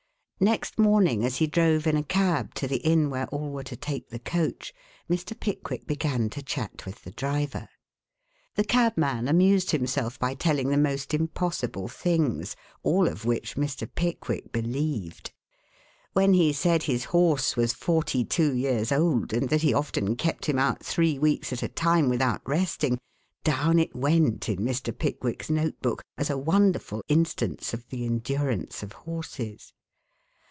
Next morning as he drove in a cab to the inn where all were to take the coach, Mr. Pickwick began to chat with the driver. The cabman amused himself by telling the most impossible things, all of which Mr. Pickwick believed. When he said his horse was forty two years old and that he often kept him out three weeks at a time without resting, down it went in Mr. Pickwick's note book as a wonderful instance of the endurance of horses.